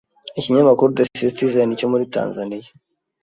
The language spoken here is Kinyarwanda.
Ikinyamakuru The Citizen cyo muri Tanzania